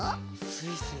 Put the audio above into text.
スイスイ。